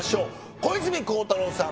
小泉孝太郎さん。